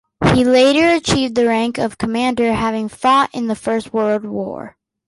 He later achieved the rank of commander having fought in the First World War.